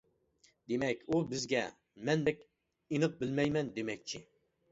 دېمەك ئۇ بىزگە: مەن بەك ئېنىق بىلمەيمەن، دېمەكچى.